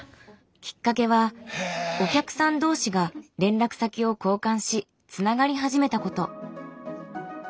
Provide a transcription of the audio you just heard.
きっかけはお客さん同士が連絡先を交換しつながり始めたこと。